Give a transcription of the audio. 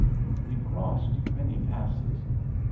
We crossed many passes.